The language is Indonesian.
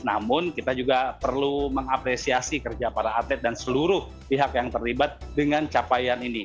namun kita juga perlu mengapresiasi kerja para atlet dan seluruh pihak yang terlibat dengan capaian ini